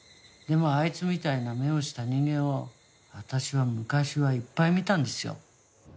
でもあいつみたいな目をした人間を私は昔はいっぱい見たんですよ。